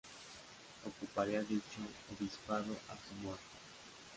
Ocuparía dicho obispado hasta su muerte.